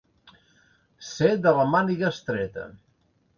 Ser de la màniga estreta.